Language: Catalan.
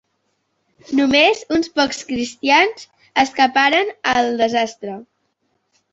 Només uns pocs cristians escaparen al desastre.